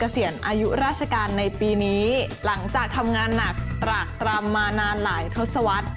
เกษียณอายุราชการ๖๐